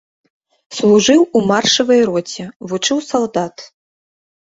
Служыў у маршавай роце, вучыў салдат.